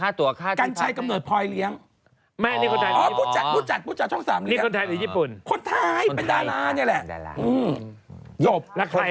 มันบังคับเขานะอีมดดับบังคับเขา๙๐๐